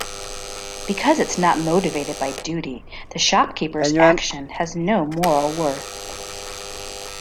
Because it is not motivated by duty, the shopkeeper's action has no moral worth.